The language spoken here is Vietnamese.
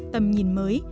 tầm nhìn mới